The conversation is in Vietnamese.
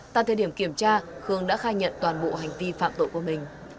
tại thời điểm kiểm tra khương đã khai nhận toàn bộ hành vi phạm tội